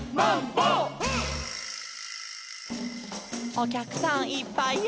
「おきゃくさんいっぱいや」